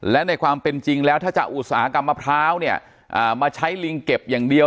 และในความเป็นจริงแล้วถ้าจะอุตสาหกรรมมะพร้าวเนี่ยมาใช้ลิงเก็บอย่างเดียว